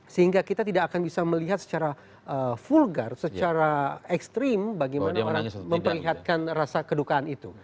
sehingga kita tidak akan bisa melihat secara vulgar secara ekstrim bagaimana orang memperlihatkan rasa kedukaan itu